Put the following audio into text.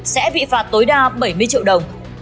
sẽ bị phạt tối đa bảy mươi triệu đồng